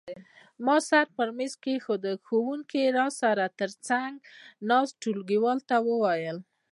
ما سر په مېز کېښود، ښوونکي را سره تر څنګ ناست ټولګیوال ته وویل.